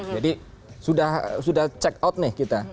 sudah check out nih kita